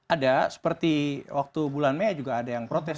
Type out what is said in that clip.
ada seperti waktu bulan mei juga ada yang protes